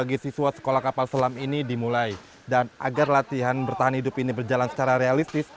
bagi siswa sekolah kapal selam ini dimulai dan agar latihan bertahan hidup ini berjalan secara realistis